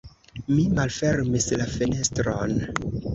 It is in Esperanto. Mi malfermis la fenestron.